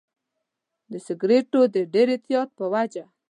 د سیګریټو د ډېر اعتیاد په وجه.